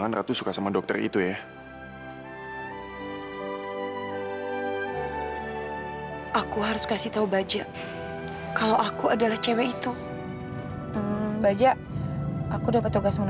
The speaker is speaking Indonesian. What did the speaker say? gua bisa mati kecapean